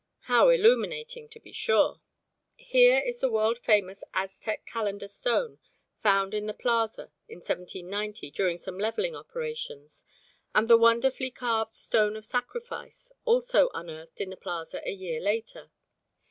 _" How illuminating to be sure! Here is the world famous Aztec Calendar Stone found in the plaza in 1790 during some levelling operations, and the wonderfully carved Stone of Sacrifice, also unearthed in the plaza a year later.